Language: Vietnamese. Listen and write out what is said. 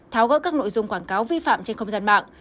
tháo gỡ các nội dung quảng cáo vi phạm trên không gian mạng